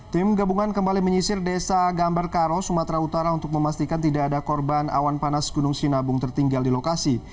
tim gabungan kembali menyisir desa gambar karo sumatera utara untuk memastikan tidak ada korban awan panas gunung sinabung tertinggal di lokasi